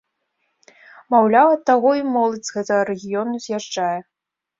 Маўляў, ад таго і моладзь з гэтага рэгіёну з'язджае.